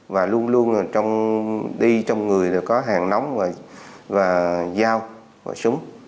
và luôn luôn đi trong người có hàng nóng và dao và súng